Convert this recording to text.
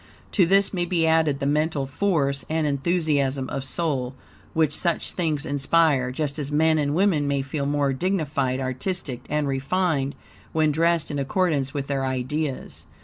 To this may be added the mental force and enthusiasm of soul which such things inspire, just as men and women may feel more dignified, artistic, and refined, when dressed in accordance with their ideas.